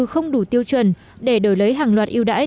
không đủ tiêu chuẩn để đổi lấy hàng loạt yêu đãi